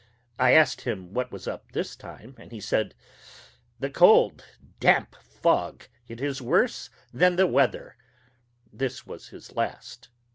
I asked him what was up this time, and he said, "The cold, damp fog it is worse than the weather." This was his last.